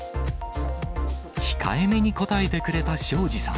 控えめに答えてくれた庄司さん。